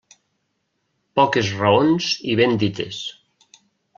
Poques raons i ben dites.